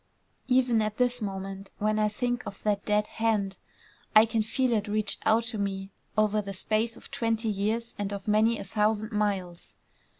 Even at this moment when I think of that dead hand, I can feel it reached out to me over the space of twenty years and of many a thousand miles.